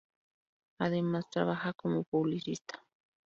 Además, trabaja como publicista.